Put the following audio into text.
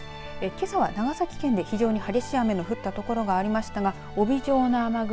けさは長崎県で非常に激しい雨が降った所がありましたが帯状の雨雲